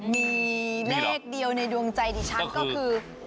มีเลขเดียวในดวงใจดิฉันก็คือ